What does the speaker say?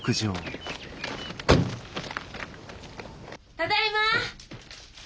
ただいま。